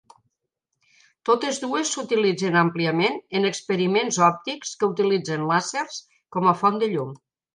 Totes dues s'utilitzen àmpliament en experiments òptics que utilitzen làsers com a font de llum.